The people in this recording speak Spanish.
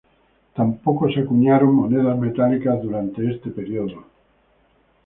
Tampoco se acuñaron monedas metálicas durante este periodo.